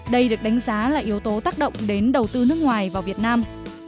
đây được đánh giá là yếu tố tác động đến đầu tư nước ngoài vào việt nam